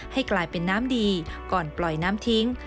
ให้กลายเป็นน้ำดีก่อนปล่อยน้ำทิ้ง